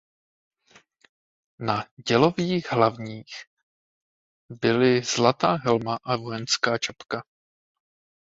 Na dělových hlavních byly zlatá helma a vojenská čapka.